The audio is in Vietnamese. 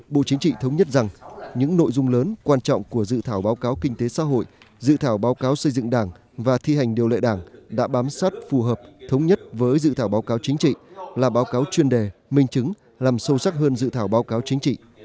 bộ chính trị thống nhất rằng những nội dung lớn quan trọng của dự thảo báo cáo kinh tế xã hội dự thảo báo cáo xây dựng đảng và thi hành điều lệ đảng đã bám sát phù hợp thống nhất với dự thảo báo cáo chính trị là báo cáo chuyên đề minh chứng làm sâu sắc hơn dự thảo báo cáo chính trị